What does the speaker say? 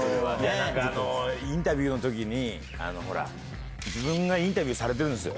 インタビューの時に自分がインタビューされてるんですよ。